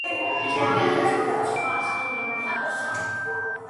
ისე მოექეცი სხვას როგორც გინდა რომ მოგექცენ.